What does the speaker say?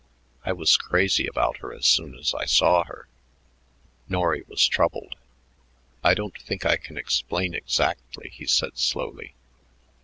I was crazy about her as soon as I saw her." Norry was troubled. "I don't think I can explain exactly," he said slowly.